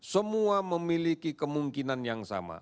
semua memiliki kemungkinan yang sama